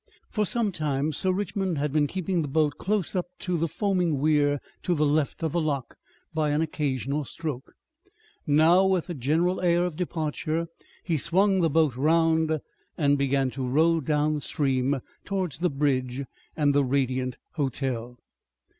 For some time Sir Richmond had been keeping the boat close up to the foaming weir to the left of the lock by an occasional stroke. Now with a general air of departure he swung the boat round and began to row down stream towards the bridge and the Radiant Hotel.